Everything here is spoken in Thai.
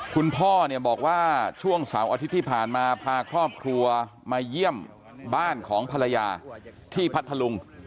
คุณพ่อเนี่ยบอกว่าช่วงเสาร์อาทิตย์ที่ผ่านมาพาครอบครัวมาเยี่ยมบ้านของภรรยาที่พัทธลุง